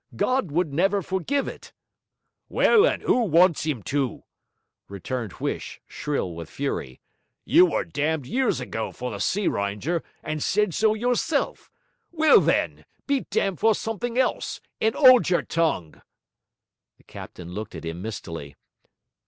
God would never forgive it.' 'Well, and 'oo wants Him to?' returned Huish, shrill with fury. 'You were damned years ago for the Sea Rynger, and said so yourself. Well then, be damned for something else, and 'old your tongue.' The captain looked at him mistily.